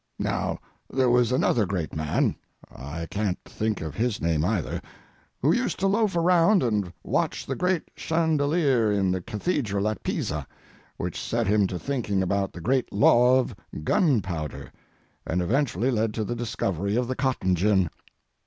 Now there was another great man, I can't think of his name either, who used to loaf around and watch the great chandelier in the cathedral at Pisa., which set him to thinking about the great law of gunpowder, and eventually led to the discovery of the cotton gin.